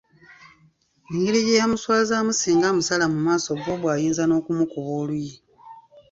Engeri gye yamuswazaamu singa amusala mu maaso Bob ayinza n’okumukuba oluyi.